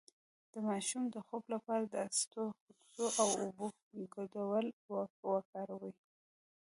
د ماشوم د خوب لپاره د اسطوخودوس او اوبو ګډول وکاروئ